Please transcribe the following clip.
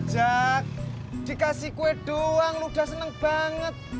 jak dikasih kue doang udah seneng banget